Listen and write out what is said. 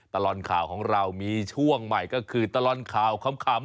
ตลอดข่าวของเรามีช่วงใหม่ก็คือตลอดข่าวขำ